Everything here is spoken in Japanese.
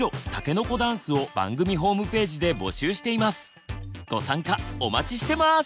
番組ではご参加お待ちしてます！